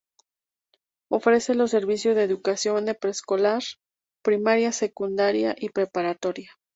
Ofrece los servicios de educación de preescolar, primaria, secundaria y preparatoria.